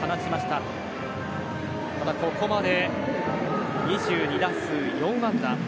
ただ、ここまで２２打数４安打。